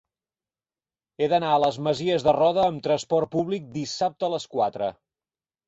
He d'anar a les Masies de Roda amb trasport públic dissabte a les quatre.